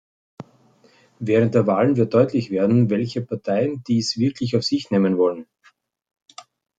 Während der Wahlen wird deutlich werden, welche Parteien dies wirklich auf sich nehmen wollen.